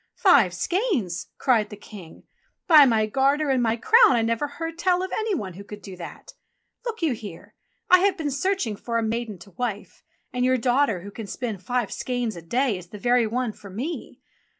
"Five skeins!" cried the King. "By my garter and my crown, I never heard tell of any one who could do that ! Look you here, I have been searching for a maiden to wife, and your daughter who can spin five skeins a day is the very one for me.